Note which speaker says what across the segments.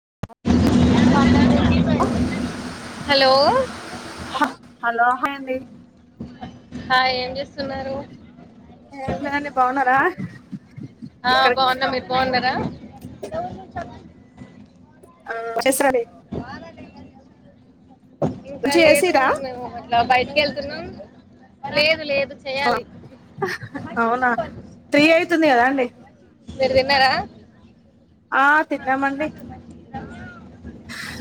Speaker 1: [inaudible]
Speaker 2: Hello
Speaker 1: hello hi అండి
Speaker 2: hi ఏం చేస్తున్నారు
Speaker 1: ఏమి లేదండి బాగున్నారా
Speaker 2: ఆ
Speaker 1: ఇక్కడికి
Speaker 2: బాగున్న మీరు బాగున్నారా [unintelligible]
Speaker 1: ఆ [unintelligible]
Speaker 2: ఇంకా
Speaker 1: లంచ్
Speaker 2: లేదు
Speaker 1: చేసిరా
Speaker 2: మేము అట్లా బయట వెళ్తున్నాం లేదు లేదు చేయాలి
Speaker 1: అవునా త్రి అయితుంది కదా అండి
Speaker 2: మీర్ తిన్నారా
Speaker 1: ఆ తిన్నామండి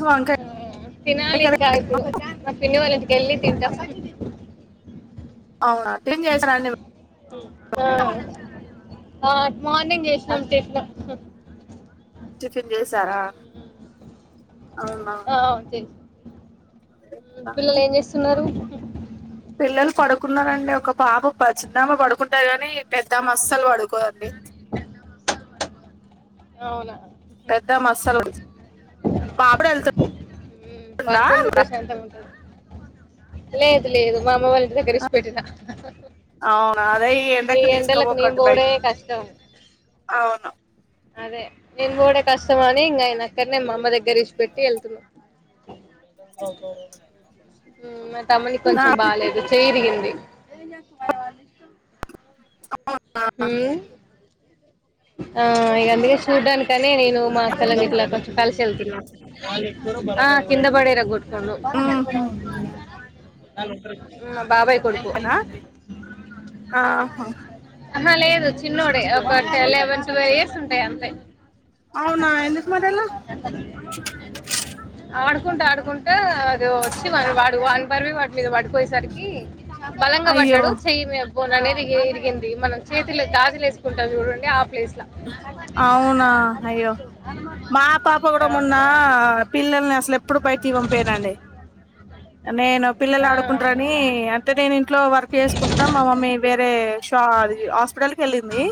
Speaker 1: వకా
Speaker 2: ఆ, తినాలి గా ఇప్పుడు పిన్ని వాళ్ళ ఇంటికి వెళ్ళీ తంటా
Speaker 1: అవునా క్లీన్ చేసారా అండి వాల్
Speaker 2: ఆ ఆ మార్నింగ్ చేసినాంటే ఎట్లా
Speaker 1: చికెన్ చేసార
Speaker 2: ఆ తెల్ మి పిల్లలు ఏం చేస్తున్నారు
Speaker 1: పిల్లలు పడుకున్నారండి ఒక పాప ప చిన్నామ పడుకుంటది కానీ పెద్దమా అస్సలు పడుకోదండి
Speaker 2: అవునా
Speaker 1: పెద్దామ అస్సలు పనుకోదు పాప
Speaker 2: ఉమ్,
Speaker 1: తోల్తుంద
Speaker 2: పడుకుంటే
Speaker 1: మీ
Speaker 2: ప్రశాంతంగా ఉంటుంది లేదు లేదు మా అమ్మ వాళ్ళ దగ్గర ఇడ్సి పెట్టినా
Speaker 1: అవునా అదే ఈ ఎండకు
Speaker 2: నేను
Speaker 1: తీసుకోపోకండి బయటకి
Speaker 2: పోవడమే కష్టం
Speaker 1: అవును
Speaker 2: అదే నేను కూడా కష్టం అని ఇంకా ఆయన అక్కడనే మా అమ్మ దగ్గర ఇడ్సి పెట్టి వెళ్తున్నా హమ్ మా తమ్ముని
Speaker 1: నా
Speaker 2: కొంచెం బాలేదు చెయ్ ఇరిగింది హుమ్ ఆ ఇగ అందుకే చూడ్డాన్కనే నేను మా అక్కలన్ గిట్ల కొంచం కలిసి ఎళ్తున్న ఆ కింద పడే ఇరగొట్ కుండు
Speaker 1: మ్మ్ హ్మ్
Speaker 2: హుమ్ బాబాయ్ కొడుకు
Speaker 1: అతనా ఆహా
Speaker 2: ఆహ లేదు చిన్నోడే ఒక టె లెవెన్ ట్వెల్వ్ ఇయర్స్ ఉంటాయ్ అంతే
Speaker 1: అవునా ఎందుకు మరి అలా
Speaker 2: ఆడుకుంటా ఆడుకుంటా అది వచ్చి వాడు వాని పర్వి వాటి మీద వాడు పోయేసరికి బలంగా
Speaker 1: అయ్యో
Speaker 2: పడ్డాడు చెయ్యి మీ బోన్ అనేది ఏ ఇరిగిన్ ది మనం చేతులకి గాజులేసుకుంటాం చూడండి ఆ ప్లేస్ లో
Speaker 1: అవునా అయ్యో మా పాప కూడా మొన్న పిల్లల్ని అసలు ఎప్పుడూ బయటికి పంపియ్యనండి నేను పిల్లలు
Speaker 2: ఆ, ఆ,
Speaker 1: ఆడుకుంటరని అంటే నేను ఇంట్లో వర్క్ చేసుకుంటున్నా మా మమ్మీ వేరే షా అది హాస్పిటెల్ కి వెళ్ళింది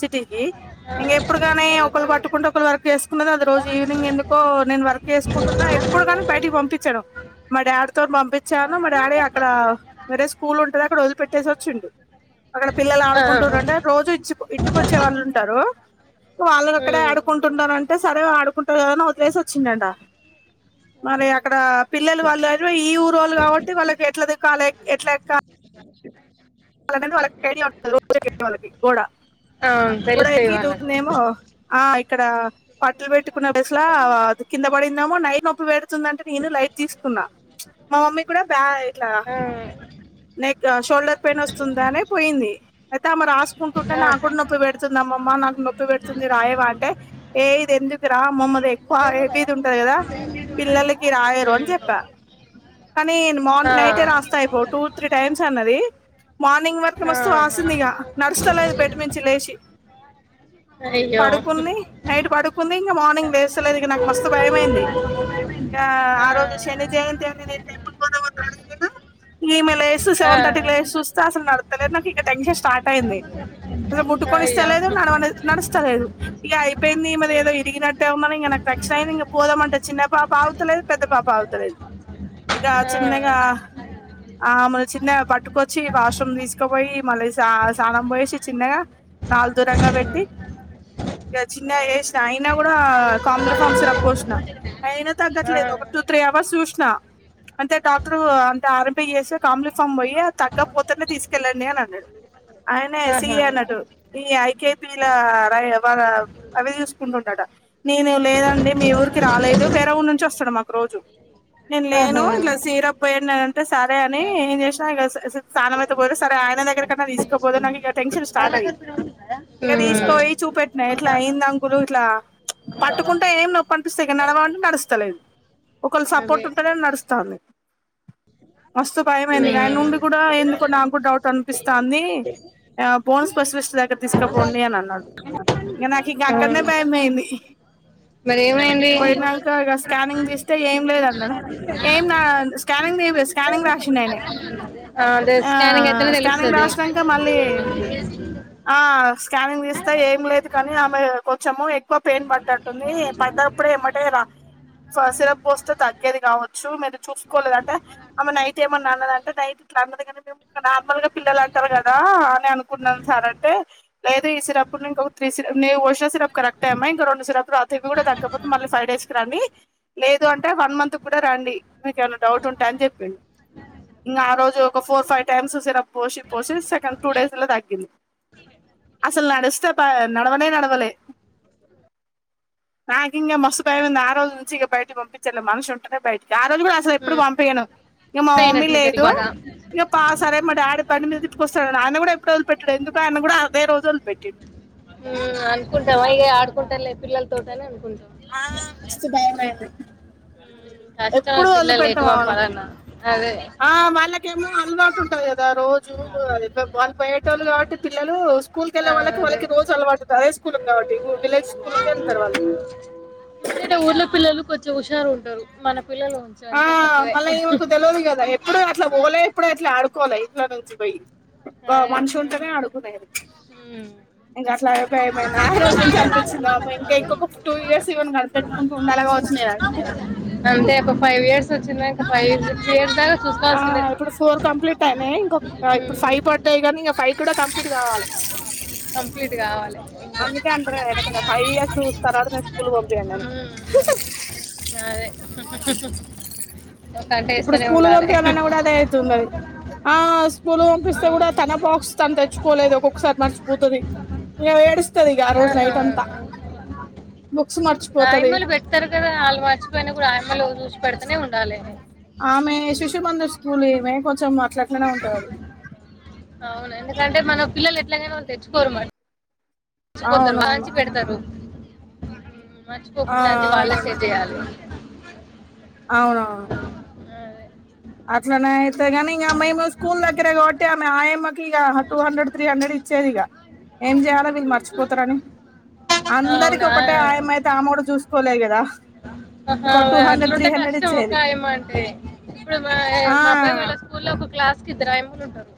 Speaker 1: సిటీకి
Speaker 2: ఆ,
Speaker 1: ఇంగెప్పుడుగానీ ఒకళ్ళు పట్టుకుంటే ఒకరు వర్క్ చేసుకున్నది అది రోజు ఈవనింగ్ ఎందుకో నేను వర్క్ చేసుకుంటున్నా ఎప్పుడూ గాని బయటికి పంపిచ్చను మా డాడు తో [unintelligible] చ్చాను మా డాడీ అక్కడ వేరే స్కూల్ ఉంటది అక్కడ వదిలి పెట్టేసి వొచ్చిండు అక్కడ పిల్లలు ఆడుకుంటుర్రంటే
Speaker 2: ఆ,
Speaker 1: రోజూ ఇచ్ ఇంటికొచ్చే వాళ్ళున్ వాళ్ళు అక్కడే
Speaker 2: ఉమ్,
Speaker 1: ఆడుకుంటున్నారంటే సరే ఆడు కుంటాది కదా అని వదిలేసి వచ్చిండంటా మరి అక్కడ పిల్లలు వాళ్ళు ఈ ఊరోళ్ళు కాబట్టి వాళ్ళకి ఎట్లా దక్కాలి ఎట్లా ఎక్కా [inaudible] రోజూ ఎక్కే వాళ్ళకి గోడ
Speaker 2: ఆ,
Speaker 1: గోడ
Speaker 2: తెలుస్తాయి
Speaker 1: ఎక్కి
Speaker 2: వాళ్ళకు
Speaker 1: దూకిందమో ఆ క్కడ పట్టలు పెట్టు కున్న డెస్ లో అది కింద పడిందేమో నైన్ నొప్పి వెడ్ తుందంటే నేను లైట్ తీసుకున్నా ప్చ్ మా మమ్మీ క్కూడా బ్యాయ్
Speaker 2: ఆ
Speaker 1: నెక్ షోల్డర్ పైనే వస్తుందనే పోయింది అయితే ఆమె రాస్ కుంటుంటే
Speaker 2: ఆ,
Speaker 1: నాకు కూడా నొప్పి పెడుతుంది అమ్మమ్మా నాకు నొప్పి పెడుతుంది రాయవా అంటే ఏ ఇది ఎందుకు రా అమ్మమ్మది ఎక్కువ హెవీ ది ఉంటది కదా పిల్లలకి రాయరు అని చెప్పా
Speaker 2: ఉమ్,
Speaker 1: కానీ మార్
Speaker 2: ఆ,
Speaker 1: నైటే రాస్తా అయిపో త్రీ టైమ్స్ అన్నది మార్నింగ్ వరకు
Speaker 2: ఆ,
Speaker 1: మస్తు వాసింది ఇక నడుస్తలేదు బెడ్ మీద నుంచి లేచి
Speaker 2: అయ్యో
Speaker 1: పడుకుంది నైట్ పడుకుంది ఇంకా మార్నింగ్ లేస్తలేదు ఇక నాకు మస్తు భయమైంది ఇంక ఆ రోజు శని జయంతి అని నేను టెంపుల్ పోదా ఈమె లేసు
Speaker 2: ఆ,
Speaker 1: సెవెన్ తర్టీకీ లేసి చూస్తే అసలు నడు నడుస్తలేదు నాక్ ఇక టెన్షన్ స్టార్ట్ అయింది
Speaker 2: అయ్యో
Speaker 1: ముట్టుకొనిస్తలేదు
Speaker 2: ఉమ్,
Speaker 1: నడవ నడస్తలేదు ఇక అయిపోయింది మరి ఏదో ఇరిగినట్టే ఉంది ఉందని ఇంక నాకు టెక్షన్ అయింది ఇంక పోదామంటే చిన్న పాప ఆగుతలేదు పెద్ద పాప ఆగుతలేదు ఇక చిన్నగా
Speaker 2: ఆ,
Speaker 1: ఆమను చిన్నగా పట్టుకొచ్చి వాష్రూమ్ తీసుకపోయి మళ్ళీ సా సానం పోయసి చిన్నగా కాలు దూరంగా పెట్టి
Speaker 2: ఉమ్.
Speaker 1: ఇక చిన్నగా ఏసినా
Speaker 2: ఆ
Speaker 1: అయినా కూడా కాంప్లిఫామ్స్ సిరం పోసిన అయినా
Speaker 2: ఆ
Speaker 1: తగ్గట్లేదు ఒక టూ త్రీ వ సూష్ణా అంటే డాక్టర్ అంటే ఆర్ ఎం పి చేస్తే కాంబ్లి ఫామ్ పొయ్యి య్యి ఆ తక్క పోతేనే తీస్ కెల్లండి అని అన్నడు ఆయనే సి
Speaker 2: ఆహా
Speaker 1: ఈ అన్నట్టు ఈ ఐ కే పీ ల రై వారవ్ అవి చూసుకుంటుండట నేను లేదండి మీ ఊరికి రాలేదు వేరే ఊ నుం చొస్తాడు మాకు రోజూ నేను లేను
Speaker 2: ఆహా
Speaker 1: ఇట్లా సీరప్ పొయ్యున్న టే సరే అని ఏం చేసినా ఇగ [unintelligible] స్థానం అయితే పోదు సరే ఆయన దగ్గరికన్నా తీసుకపోతే నాకీ క టెన్షన్ స్టార్ట్ అయ్యింది ఇగ
Speaker 2: హ్మ్
Speaker 1: తీసుకో పోయి చూపెట్టినా ఇట్లా అయ్యిందంకులు ఇట్లా పట్టుకుం టే ఏం నొప్పి అనిపిస్తాయి ఇఖ నడవాలంటే నడుస్తలేదు ఒకళ్ళు
Speaker 2: అదే
Speaker 1: సపోర్ట్ ఉంటేనే నడుస్తాంది వస్తు భయమయ్యింది ఇగ ఆయనుండి
Speaker 2: హ్మ్
Speaker 1: కూడా ఎందుకో నాకు డౌట్ అనిపిస్తా ఉంది ఆ బోన్ స్పెషలిస్ట్ దగ్గరకు తీసుకపోండి అని అన్నాడు ఇగ నాకు అక్కడనే భయం అయ్యింది
Speaker 2: గదే ఏమైంది
Speaker 1: ఏంలేదు అన్నా కానింగ్ ఏం రాసా స్కానింగ్ రాసిండ్ ఆయనే
Speaker 2: ఆ అదే స్కానింగ్ అయితేనే
Speaker 1: స్కానింగ్
Speaker 2: తెలుస్తది
Speaker 1: రాసినాక మళ్ళీ ఆ స్కానింగ్ తీస్తే ఏం లేదు కాని ఆమె వచ్చాము ఎక్కువ పెయిన్ పట్ట టట్టుంది పెద్దప్పుడే ఏమంటే సిరప్ బోస్ట్ తగ్గేది కావచ్చు మీరు చూసుకోలేదంటే ఏమన్నారంటే డైట్ నార్మల్ గా పిల్లలు అంటారు కదా అని అనుకున్నాను సార్ అంటే లేదు ఈ సిరప్ ను ఇంకో త్రీ సి ఓషా సిరప్ కరెక్ట్ అయమ్మా ఇంకా రెండు సిరప్లు తాగితే కూడా తగ్గకపోతే మళ్ళీ ఫైవ్ డేస్కి రండి లేదు అంటే వన్ మంత్ కూడా రండి మీకేమన్నా డౌట్ంటే అని చెప్పి ఇంకా ఆ రోజు ఒక ఫోర్, ఫైవ్ టైమ్స్ సిరప్ పోసి పోసి సెకండ్ టూ డేస్ లో తగ్గింది అసలు నడిస్తే నడవనే నడవలే నాకు ఇంకా మస్తు భయమైంది ఆ రోజు నుంచి ఇక బయటకి పంపించలే మనిషి ఉంటేనే బయటికి ఆరోజు కూడా అసలు ఎప్పుడు
Speaker 2: హ్మ్
Speaker 1: పంపియను ఇంక మా మమ్మీ
Speaker 2: పోయినట్టుంది గరి
Speaker 1: లేదు
Speaker 2: బాగా
Speaker 1: ఇంక పా సరే మా డాడీ పనిమీది వస్తాడు ఆయన కూడా ఎప్పుడు వదిలి పెట్టడు ఎందుకు ఆయన కూడా అదే రోజు పెట్టిండు
Speaker 2: అనుకుంటామ్ వాళ్ళే ఆడుకుంటార్లే పిల్లల్ తోటి అని అనుకుంటా
Speaker 1: ఆ రోజు మస్తు భయమైంది
Speaker 2: కష్టం
Speaker 1: ఎప్పుడు
Speaker 2: పిల్లల్ని ఎటు
Speaker 1: వదిలిపెట్టము వాళ్ళకు
Speaker 2: పంపాలన్నా అదే
Speaker 1: ఆ వాళ్ళకేమో అల్వా తప్పదు కదా రోజు జు వాల్ యొక్క పాల్ పోయేది [unintelligible] కాబట్టి పిల్లలు స్కూల్ కు వెళ్ళే
Speaker 2: ఆ
Speaker 1: వాళ్ళకి
Speaker 2: అదే
Speaker 1: వాళ్ళకి రోజు అలవాటు హై స్కూల్ కాబట్టి విలేజ్ స్కూల్కి వెళ్తారు వాళ్ళు
Speaker 2: చూసావా
Speaker 1: ఆ మళ్ళీ ఈమెకు తెల్వదు కదా ఎప్పుడు అట్లా పోలే ఎప్పుడు అట్లా ఆడుకోలే ఇంట్లో నుంచి చ్ పోయి ఆ
Speaker 2: అదే
Speaker 1: మనిషి
Speaker 2: హ్మ్
Speaker 1: ఉంటేనే ఆడుకునేది
Speaker 2: హ్మ్
Speaker 1: ఇంకా అట్లా అయిపోయ ఏమై ఆ రోజు నుంచి అనిపించిందా ఇంకా ఇంకొక టూ ఇయర్స్ ఇవన్ కనపెట్టుకుంటూ ఉండాల
Speaker 2: అంతే ఒక ఫైవ్ ఇయర్స్ వచ్చిందా ఇంకా ఫైవ్, సిక్స్ ఇయర్స్ దాకా
Speaker 1: ఆ
Speaker 2: చూసుకోవాల్సిందే
Speaker 1: ఇప్పుడు ఫోర్ కంప్లీట్ అయినాయ్ ఇంకొ ఇప్పుడు ఫైవ్ పడ్ ఉంటాయి కానీ ఇంక ఫైవ్ కూడా కంప్లీట్ కావాలి
Speaker 2: కంప్లీట్ కావాలి
Speaker 1: అందుకే అంటారు ఫైవ్ ఇయర్స్ తర్వాత నేను స్కూల్ పంపియండని
Speaker 2: మ్మ్. అదే ఒక గంట
Speaker 1: ఇప్పుడు
Speaker 2: వేస్తూనే
Speaker 1: స్కూలుకు
Speaker 2: ఉండాలి
Speaker 1: పంపియ్యాలన్నా కూడా అదే అయితున్నది [unintelligible] స్కులుకు పంపిస్తే
Speaker 2: మ్మ్.
Speaker 1: కూడా తన బాక్స్ తను తెచ్చుకోలేదు ఒక్కొక్కసారి మర్చిపోతది ఇయమ ఏడుస్ తది ఇగ ఆరోజు
Speaker 2: ఆహా.
Speaker 1: నైట్ అంతా బుక్స్ మర్చు
Speaker 2: ఆయమ్మలు పెడతారు కదా ఆళ్లు మర్చిపోయిన కూడా ఆయమ్మలు చూసి పెడతనే ఉండాలి
Speaker 1: ఆమె శిశు మందుస్ లు ఈమే కొంచెం అట్లట్ అట్లనే ఉంటది ఆమె
Speaker 2: అవును ఎందుకంటే మన పిల్లలు ఎట్లాగైనా తెచ్చుకోరు మర్చిపోతారు
Speaker 1: అవునవును
Speaker 2: వాలొచ్చి పెడతారు మ్మ్.
Speaker 1: ఆ
Speaker 2: మర్చిపోకుండా అన్ని వాళ్ళే
Speaker 1: అవునండి
Speaker 2: సెట్ చేయాలే
Speaker 1: అవునవును
Speaker 2: అదే
Speaker 1: అట్లనే అయితే కాని ఇంగ మేము స్కూల్ దగ్గరే కాబట్టి ఆమె ఆయమ్మకి ఇక టూ హండ్రెడ్ త్రీ హండ్రెడ్ ఇచ్చేది ఇక ఏం చేయాల వీళ్ళు మర్చిపోతారని అందరికి
Speaker 2: అవునా
Speaker 1: ఒకటే ఆయమయితే ఆమె గుడ చూస్ పోలే గదా
Speaker 2: హావ అట్లుంటే కష్టం ఒక్క
Speaker 1: ఇచ్చేది
Speaker 2: ఆయమ్మ అంటే ఇప్పుడు ఆయే
Speaker 1: ఆ
Speaker 2: మా అబ్బాయి వాళ్ళ స్కూల్లో ఒక క్లాస్ కిద్దరు ఆయమ్మలు ఉంటరు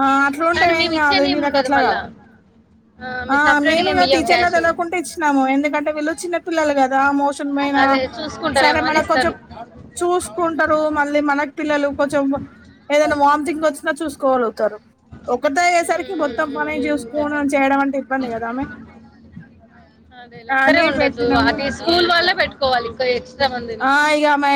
Speaker 1: ఆ అట్లా ఉంటే ఏం కాదు
Speaker 2: ఏమి
Speaker 1: వీళ్ళకి
Speaker 2: ఉండదు మళ్ళా
Speaker 1: అట్లకాదు, ఆ మేము
Speaker 2: సపరేట్గా
Speaker 1: ఇగ
Speaker 2: ఏమి ఇయ్యం
Speaker 1: టీచర్లకు
Speaker 2: క్యాష్
Speaker 1: తెలవకుంట ఇచ్చినాము ఎందుకంటే వీళ్ళు చిన్న పిల్లలు గ దా మోషన్ బోయిన
Speaker 2: అదే
Speaker 1: సరే
Speaker 2: చూసుకుంటారేమో అని
Speaker 1: మనకొంచెం
Speaker 2: ఇస్తారు
Speaker 1: చూసుకుంటారు, మళ్ళీ మనకు పిల్లలు కొంచెం ఏదైనా వామ్తింగ్ వచ్చినా చూసుకోరు. ఒకటే అయ్యేసరికి మొత్తం పనే
Speaker 2: ఉమ్,
Speaker 1: జూసుకొని చేయడం అంటే ఇబ్బంది కదా ఆమె కానీ పెట్టినాం.
Speaker 2: వాల్లే పెట్టుకోవాలి ప్లేయర్స్
Speaker 1: ఆ ఇగ ఆమె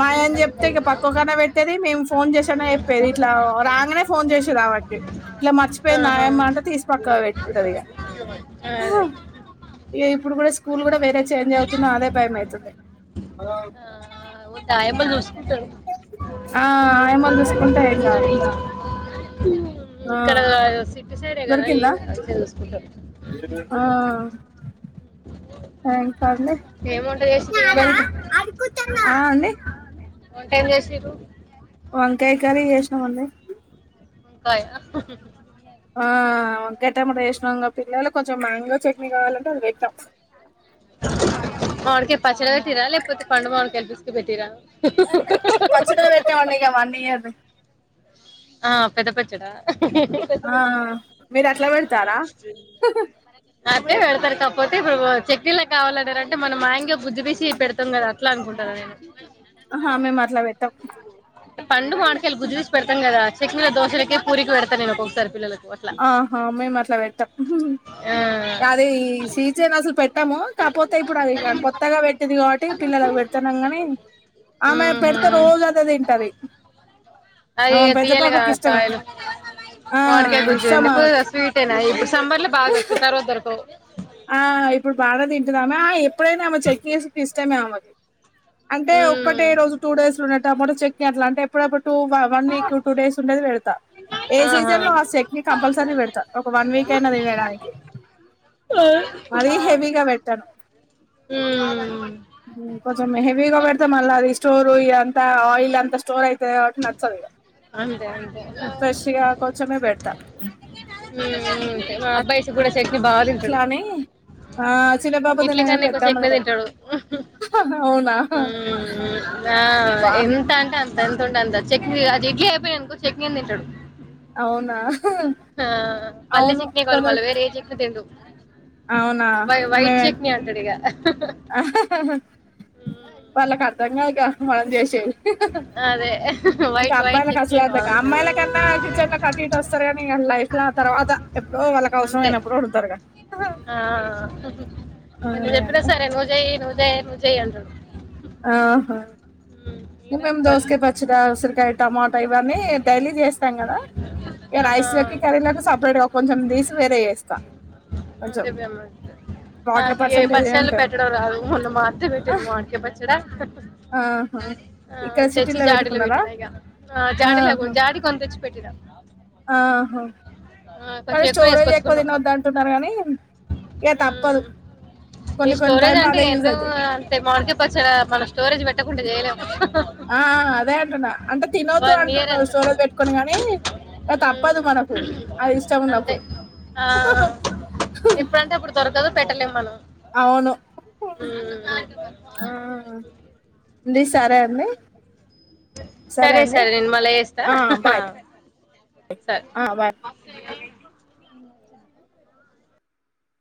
Speaker 1: మాయిఅని చెప్తే ఇక పక్కకన్నా పెట్టేది, మేం ఫోన్ జేసి అన్న చెప్పేది ఇట్లా రాంగనే ఫోన్ జేసిర్రామెకి ఇట్లా మర్చిపోయింది
Speaker 2: ఆహా,
Speaker 1: ఆయమ్మ అంటే తీసి పక్కకు పెట్తది ఇగ,
Speaker 2: అదే
Speaker 1: ఇప్పుడు కూడా స్కూల్ కూడా వేరే చేంజ్ అవుతు తున్నా అదే టైమ్ అయితది హలో
Speaker 2: వాళ్ చూస్
Speaker 1: ఆ ఆయమ్మలు చూసుకుంటే ఏం గాదు
Speaker 2: ఉమ్,
Speaker 1: ఆ
Speaker 2: ఇక్కడ సిటీ సైడే కదా ఏం
Speaker 1: దొరికిందా
Speaker 2: కాదు మంచిగా చూసుకుంటారు
Speaker 1: ఆ థ్యాంక్, సర్లే
Speaker 2: ఏం వంట చేసింది కదా
Speaker 1: వెళ్తా ఆ అండి
Speaker 2: వంట ఏం చేసిర్రు
Speaker 1: వంకాయ్ కర్రీ చేసినాం అండి
Speaker 2: బాయ్
Speaker 1: ఆ ఒక గంటె మళ్ళ వేసినాం కాబట్టి పిల్లలు కొంచెం మ్యాంగో చట్నీ కావాలంటే అది పెట్టాం
Speaker 2: మామిడికాయ పచ్చడి పెట్టిర్రా లేకపోతే పండు మామిడికాయలు తీసుకుని పెట్టిర్రా
Speaker 1: పచ్చడే పెట్టామండి ఇక అవ్వన్నీ కాదు
Speaker 2: ఆ పెద్ద పచ్చడా
Speaker 1: ఆ మీరు అట్ల పెడతారా
Speaker 2: ఇప్పుడే దొరకకపోతే అప్పుడు చట్నీలేకి కావాలనుకుంటే మనం మ్యాంగో బుజ్జు తీసి పెడ్తాం కదా అట్లా అనుకుంటాన్న నేను
Speaker 1: ఆహా మేము అట్లా పెట్టాం
Speaker 2: పండు మామిడికాయలు కు జ్యూస్ పెడుతాం కదా చెట్నీ దోశలకీ, పూరీ కి పెడత నేనోక్కొసారి పిల్లలకి
Speaker 1: ఆహా మేము అట్ల పెట్టం
Speaker 2: ఆ,
Speaker 1: అదే ఈ సీజాన్ అసల్ పెట్ ట్టము కాకపోతే ఇప్పుడు అది కొత్తగా పెట్టింది కాబట్టి పిల్లలలకు పెడుతున్నాం కానీ ఆమె పెడితే
Speaker 2: మ్మ్హ్మ్.
Speaker 1: రోజు అదే తింటది.
Speaker 2: అది
Speaker 1: ఆమె పెద్ద
Speaker 2: తీయాలిగా
Speaker 1: పాపకి ఇష్టమే
Speaker 2: కాయలు
Speaker 1: ఆ
Speaker 2: మామిడికాయ గుజ్జు
Speaker 1: ఇష్టం
Speaker 2: ఎందుకో
Speaker 1: ఆమెకి
Speaker 2: స్వీట్ ఉనాయ్ సమ్మర్ లో బాగా దొరుకుతాయి తర్వాత దొరకవ్
Speaker 1: ఆ ఇప్పుడు బాగా తింటునామాయి ఎప్పుడైనా ఆమె చెక్కిస్ ఇష్టమే ఆమెకి అంటే
Speaker 2: మ్మ్.
Speaker 1: ఒక్కటే రోజు టూ డేస్ లో ఉన్న ప్పుడు చెక్కి అట్లాంటే ఎప్పుడప్పుడు two one week two days ఉండేది పెడత ఏ
Speaker 2: ఆహా
Speaker 1: సీజన్ లో ఆ చెక్ ని కంపల్సరీ పెడత ఒక వన్ వీక్ అయినా తినడానికి మరీ హెవీగా పెట్టను
Speaker 2: ఉమ్
Speaker 1: కొంచెం హెవీగా పెడతే మళ్ళ అవి స్టోర్ ఇదంతా ఆయిల్ అంత స్టోర్ అయి తే నాకు నచ్చదు
Speaker 2: అంతే అంతే ఉమ్
Speaker 1: ఫ్రెష్ గా కొంచమే పెడత
Speaker 2: హ్మ్మ్ హ్మ్మ్ మా అబ్బాయి కూడా చట్నీ బాగా తింటాడు
Speaker 1: ఇట్లా అని హా
Speaker 2: ఇడ్లీ కన్నా ఎక్కువ చట్నీ తింటాడు
Speaker 1: అవునా
Speaker 2: హ్మ్మ్ హ్మ్మ్ ఆ
Speaker 1: వా
Speaker 2: ఎంత అంటే అంత ఎంతుంటే అంత చెట్నీ అది ఇడ్లీ అయిపోయింది అనుకో చేట్నీ తింటాడు
Speaker 1: అవునా
Speaker 2: ఆ పల్లె
Speaker 1: అవును
Speaker 2: చెట్నే కావాలి
Speaker 1: కొందరు
Speaker 2: మళ్ళా వేరే ఏ చట్నీ తినడు
Speaker 1: అవునా మే
Speaker 2: చట్నీ అంటాడు ఇగ
Speaker 1: వాళ్లకు అర్థం కాక వాళ్ళు చేసేది
Speaker 2: అదే
Speaker 1: ఇంకా
Speaker 2: వైట్ వైట్
Speaker 1: అబ్బాయిలకు
Speaker 2: చట్నీ
Speaker 1: అసలుకే
Speaker 2: కావాలంటాడు
Speaker 1: అమ్మాయిల
Speaker 2: ఇగ
Speaker 1: కన్నా కిచెన్ లోకి అటు ఇటు వస్తారు కానీ లైఫ్ లో తర్వాత ఎప్పుడో వాళ్ళకు అవసరం
Speaker 2: అంతే
Speaker 1: అయినప్పుడు అడుగుతారు కద
Speaker 2: నను చెప్పినా సరే నువ్వు చెయి నువ్ జై జై అంటడు
Speaker 1: ఆహా మేము
Speaker 2: వినరు
Speaker 1: దోసకాయ
Speaker 2: పట్టించుకోరు
Speaker 1: పచ్చిడి ఉసిరికాయ టమోటో ఇవన్నీ డైలీ చేస్తాం కదా ఇక
Speaker 2: ఆహా,
Speaker 1: రైస్లోకి కర్రీలోకి సపరేట్గా కొంచెం తీసి వేరే చేస్త
Speaker 2: ఆ,
Speaker 1: కొంచెం
Speaker 2: దివ్యమ్మ అంటారు.
Speaker 1: వాటర్
Speaker 2: నాకు
Speaker 1: పర్సంటేజ్ ఏ
Speaker 2: పచ్చళ్ళు
Speaker 1: ఉంటా
Speaker 2: పెట్టడం రాదు మొన్న హా తెచ్చి జాడీలో
Speaker 1: పెట్టుకున్నారా
Speaker 2: పెట్టినా ఇ జాడీలో
Speaker 1: ఆహా
Speaker 2: జాడ కొంత తెచ్చి పెట్టి
Speaker 1: ఆహా
Speaker 2: కొంచం
Speaker 1: కానీ
Speaker 2: ఎక్కువ
Speaker 1: స్టోరేజ్
Speaker 2: వేసుకొచ్చుకున్నా
Speaker 1: తినొద్దు అంటున్నారు కానీ ఇక తప్పదు కొన్ని కొన్ని
Speaker 2: స్టోరేజ్
Speaker 1: టైమ్ లో
Speaker 2: అంటే
Speaker 1: అదే
Speaker 2: ఏ
Speaker 1: యూజ్ అయితది
Speaker 2: అ మన స్టరేజ [unintelligible]
Speaker 1: ఆ ఆ అదే అంటున్న అంటే తినొద్దు
Speaker 2: వన్ ఇయర్
Speaker 1: అంటున్నా
Speaker 2: అంతే
Speaker 1: స్టోరజ్ పెట్టుకొని కానీ ఇ తప్పదు
Speaker 2: ఉమ్,
Speaker 1: మనకు అది ఇష్టం
Speaker 2: అంతే
Speaker 1: ఉన్నప్పుడు
Speaker 2: ఆ, పెట్టలేం మనం
Speaker 1: అవును
Speaker 2: ఉమ్.
Speaker 1: హమ్ డి సరే అండి సరే అండి
Speaker 2: నేను మళ్ళీ చేస్తా
Speaker 1: ఆ బాయ్
Speaker 2: సరే
Speaker 1: ఆ బ